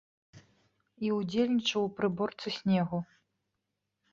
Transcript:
І ўдзельнічаў у прыборцы снегу.